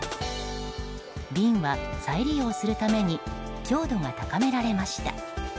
瓶は再利用するために強度が高められました。